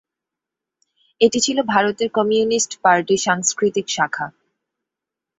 এটি ছিল ভারতের কমিউনিস্ট পার্টির সাংস্কৃতিক শাখা।